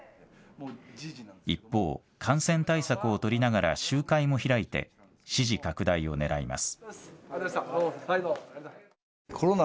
一方、感染対策をとりながら集会も開いて支持拡大をねらいます。